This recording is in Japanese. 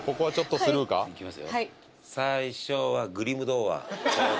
いきますよ